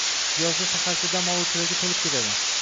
Yozda shaharcha dam oluvchilarga to`lib ketadi